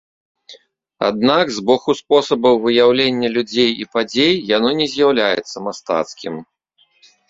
Аднак з боку спосабаў выяўлення людзей і падзей яно не з'яўляецца мастацкім.